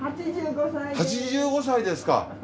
８５歳ですか！